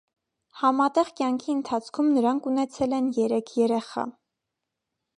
Համատեղ կյանքի ընթացքում նրանք ունեցել են երեք երեխա։